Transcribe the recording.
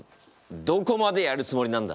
どこまでやるつもりなんだ？